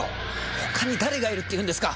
他に誰がいるっていうんですか！